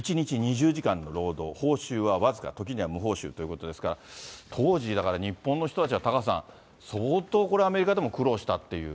１日２０時間の労働、報酬はわずか、ときには無報酬ということですから、当時、だから日本の人たちは、タカさん、相当これ、アメリカでも苦労したという。